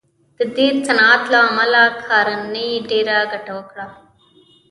د دې صنعت له امله کارنګي ډېره ګټه وکړه